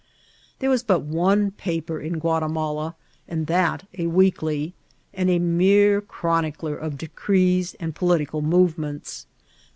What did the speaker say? There was but one paper in Guatimala, and that a weekly, and a mere chronicler of decrees and political movements.